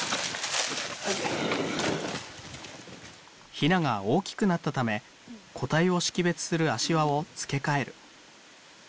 ひなが大きくなったため個体を識別する足輪を付け替える。